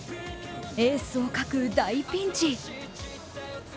エースを欠く大ピンチ。